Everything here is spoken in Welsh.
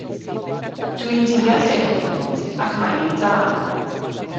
Dw i'n deall eich pwynt ac mae'n un da.